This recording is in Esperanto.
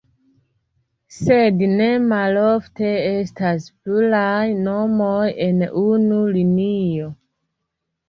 Sed, ne malofte estas pluraj nomoj en unu linio.